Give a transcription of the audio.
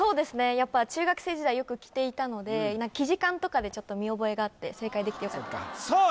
やっぱ中学生時代よく着ていたので生地感とかでちょっと見覚えがあって正解できてよかったですさあ